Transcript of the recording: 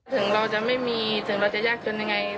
ถึงเราจะไม่มีถึงเราจะยากจนยังไง